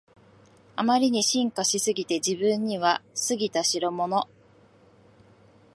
あまりに進化しすぎて自分には過ぎたしろもの